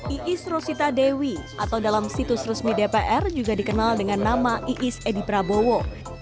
iis rosita dewi atau dalam situs resmi dpr juga dikenal dengan nama iis edi prabowo